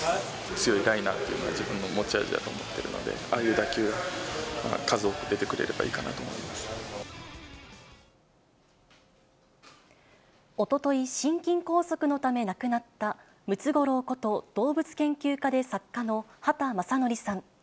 強いライナーっていうのが自分の持ち味だと思っているので、ああいう打球が数多く出てくれれおととい、心筋梗塞のため亡くなったムツゴロウこと動物研究家で作家の畑正憲さん。